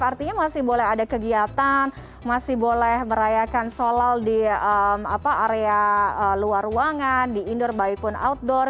artinya masih boleh ada kegiatan masih boleh merayakan solal di area luar ruangan di indoor baik pun outdoor